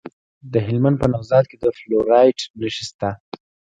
د هلمند په نوزاد کې د فلورایټ نښې شته.